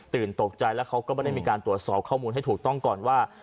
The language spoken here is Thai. ตกใจแล้วเขาก็ไม่ได้มีการตรวจสอบข้อมูลให้ถูกต้องก่อนว่า